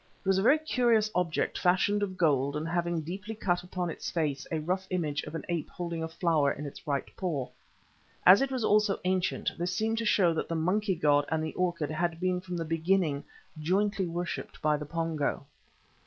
It was a very curious object fashioned of gold and having deeply cut upon its face a rough image of an ape holding a flower in its right paw. As it was also ancient, this seemed to show that the monkey god and the orchid had been from the beginning jointly worshipped by the Pongo.